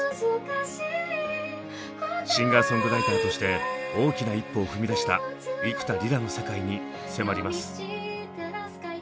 シンガーソングライターとして大きな一歩を踏み出した幾田りらの世界に迫ります。